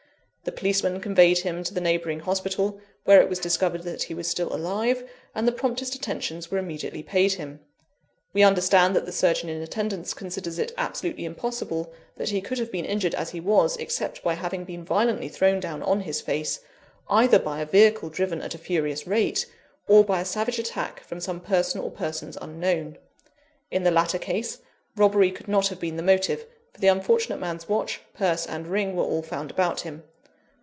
The policeman conveyed him to the neighbouring hospital, where it was discovered that he was still alive, and the promptest attentions were immediately paid him. We understand that the surgeon in attendance considers it absolutely impossible that he could have been injured as he was, except by having been violently thrown down on his face, either by a vehicle driven at a furious rate, or by a savage attack from some person or persons unknown. In the latter case, robbery could not have been the motive; for the unfortunate man's watch, purse, and ring were all found about him.